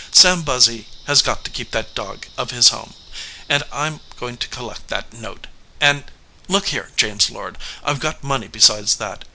Sam Buzzy has got to keep that dog of his home, and I m going to collect that note, and Look here, James Lord, I ve got money besides that.